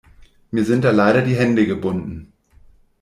Mir sind da leider die Hände gebunden.